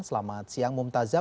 selamat siang mumtazah